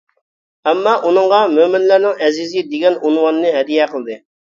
ئەمما ئۇنىڭغا «مۆمىنلەرنىڭ ئەزىزى» دېگەن ئۇنۋاننى ھەدىيە قىلدى.